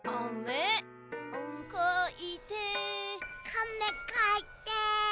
「かめかいて」